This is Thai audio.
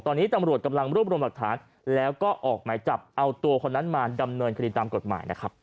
ตอนนี้ตำรวจกำลังรวบรวมหลักฐานแล้วก็ออกหมายจับเอาตัวคนนั้นมาดำเนินคดีตามกฎหมายนะครับ